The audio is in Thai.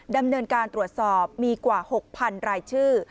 ดำเนินการตรวจสอบมีกว่า๖๐๐๐รายชื่อ